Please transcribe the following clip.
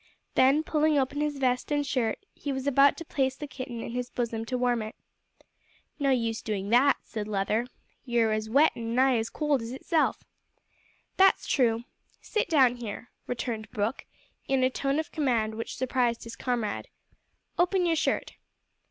Then, pulling open his vest and shirt, he was about to place the kitten in his bosom to warm it. "No use doin' that," said Leather. "You're as wet an' nigh as cold as itself." "That's true. Sit down here," returned Brooke, in a tone of command which surprised his comrade. "Open your shirt."